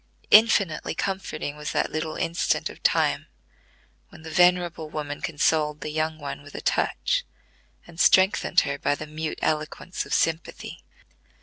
Infinitely comforting was that little instant of time, when the venerable woman consoled the young one with a touch, and strengthened her by the mute eloquence of sympathy.